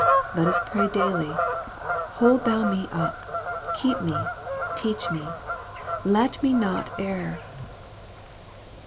Let us pray daily, " Hold thou me up keep me teach me let me not err."